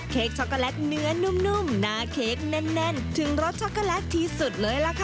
ช็อกโกแลตเนื้อนุ่มหน้าเค้กแน่นถึงรสช็อกโกแลตที่สุดเลยล่ะค่ะ